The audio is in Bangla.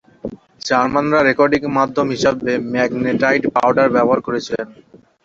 জার্মান রা রেকর্ডিং মাধ্যম হিসাবে ম্যাগনেটাইট পাউডার ব্যবহার করেছিল।